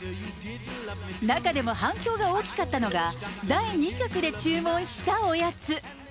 中でも、反響が大きかったのが、第２局で注文したおやつ。